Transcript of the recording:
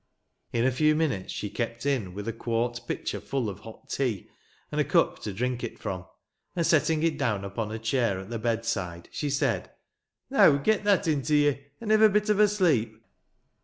In a few minutes she came in with a quart pitcher full of hot tea, and a cup to drink it from; and setting it down upon a chair at the bedside, she said, " Now; get that into ye ; an' hev a bit ov a sleep."